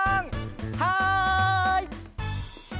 はい！